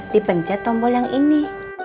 dipencet tombol yang ini